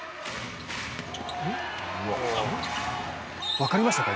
分かりましたか？